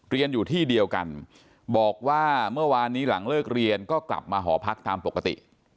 เรียนอยู่ที่เดียวกันบอกว่าเมื่อวานนี้หลังเลิกเรียนก็กลับมาหอพักตามปกติ